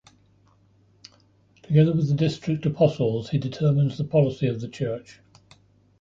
Together with the district apostles he determines the policy of the church.